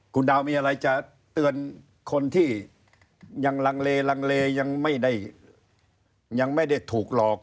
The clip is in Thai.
คุณดาวมีอะไรจะเตือนคนที่ยังลังเลยังไม่ได้ถูกหลอก